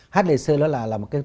hdlc đó là một cái